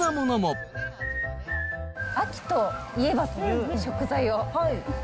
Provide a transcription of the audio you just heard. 秋といえばという食材を。